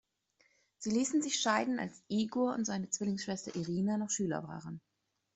Sie ließen sich scheiden, als Igor und seine Zwillingsschwester Irina noch Schüler waren.